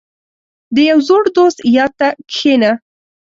• د یو زوړ دوست یاد ته کښېنه.